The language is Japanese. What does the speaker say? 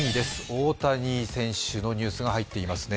大谷選手のニュースが入っていますね。